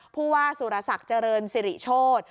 ผู้ว่าสุรศักดิ์เจริญสิริโชธ